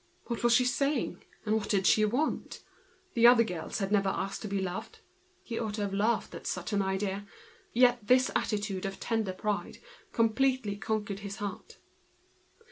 What was she saying, and what did she want? The girls he had picked up in the shop had never asked to be loved. He ought to have laughed at such an idea, and this attitude of tender pride completely conquered his heart.